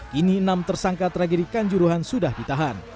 kini enam tersangka tragedi kanjuruhan sudah ditahan